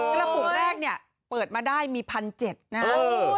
กระปุกแรกเนี่ยเปิดมาได้มี๑๗๐๐นะฮะ